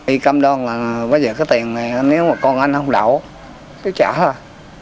y cam đoan là bây giờ cái tiền này nếu mà con anh không đậu nó trả thôi